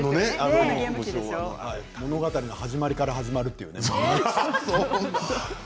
物語の始まりから始まるみたいなね。